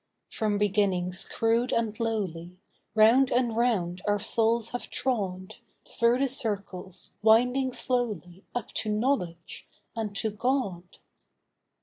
From beginnings crude and lowly, Round and round our souls have trod Through the circles, winding slowly Up to knowledge and to God.